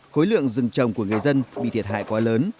khối lượng rừng trồng của người dân bị thiệt hại quá lớn